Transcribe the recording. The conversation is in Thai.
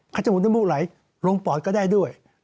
จมูกน้ำมูกไหลลงปอดก็ได้ด้วย